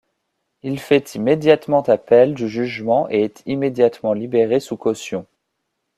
Il fait immédiatement appel du jugement et est immédiatement libéré sous caution.